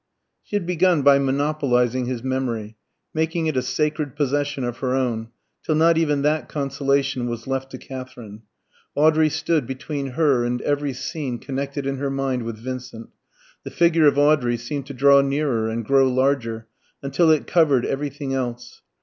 She had begun by monopolising his memory, making it a sacred possession of her own, till not even that consolation was left to Katherine. Audrey stood between her and every scene connected in her mind with Vincent; the figure of Audrey seemed to draw nearer and grow larger, until it covered everything else.